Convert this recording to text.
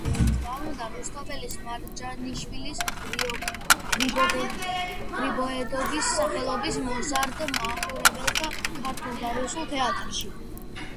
სპექტაკლებს დგამდა რუსთაველის, მარჯანიშვილის, გრიბოედოვის სახელობის მოზარდ მაყურებელთა ქართულ და რუსულ თეატრებში.